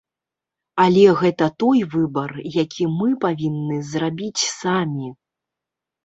Але гэта той выбар, які мы павінны зрабіць самі.